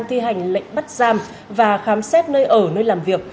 thi hành lệnh bắt giam và khám xét nơi ở nơi làm việc